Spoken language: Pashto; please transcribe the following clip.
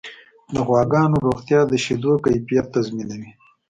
د غواګانو روغتیا د شیدو کیفیت تضمینوي.